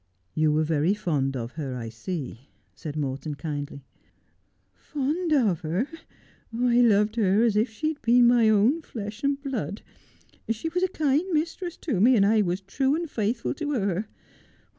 ' You were very fond of her, I see,' said Morton kindly. ' Fond of her ! I loved her as if she had been my own flesh and blood. She was a kind mistress to me, and I was true and faithful to her.